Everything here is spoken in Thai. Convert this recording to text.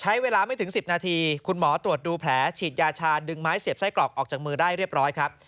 ใช้เวลาไม่ถึง๑๐นาทีคุณหมอตรวจดูแผลฉีดยาชาดึงไม้เสียบไส้กรอกออกจากมือได้เรียบร้อยครับ